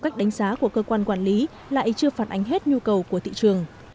cơ quan quản lý lại chưa phản ánh hết nhu cầu của thị trường